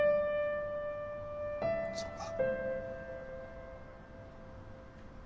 そうか。